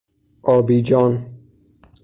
آبی جان